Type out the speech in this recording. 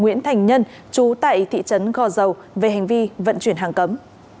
nguyễn thành nhân chú tại thị trấn gò dầu về hành vi vận chuyển hàng cấm